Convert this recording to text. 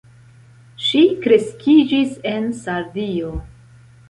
Ŝi kreskiĝis en Sardio.